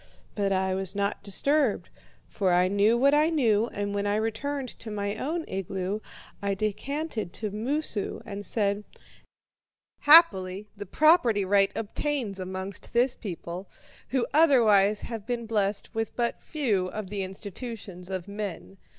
"But I was not disturbed, for I knew what I knew, and when I returned to my own igloo, I descanted to Moosu, and said: 'Happily the property right obtains amongst this people, who otherwise have been blessed with but few of the institutions of men.